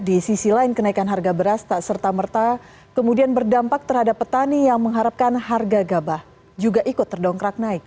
di sisi lain kenaikan harga beras tak serta merta kemudian berdampak terhadap petani yang mengharapkan harga gabah juga ikut terdongkrak naik